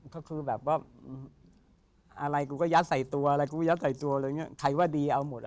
แต่ส่วนใหญ่เป็นอะไร